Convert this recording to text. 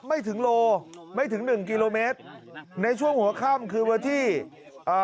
ไม่ถึงโลไม่ถึงหนึ่งกิโลเมตรในช่วงหัวค่ำคือวันที่อ่า